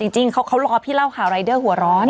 จริงเขารอพี่เล่าข่าวรายเดอร์หัวร้อน